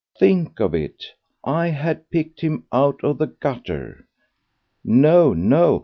Think of it! I had picked him out of the gutter! No! no!